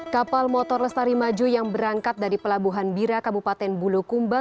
kapal motor lestari maju yang berangkat dari pelabuhan bira kabupaten bulukumba